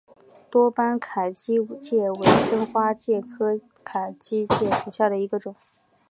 多斑凯基介为真花介科凯基介属下的一个种。